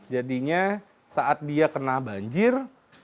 jadi saat dia kena banjir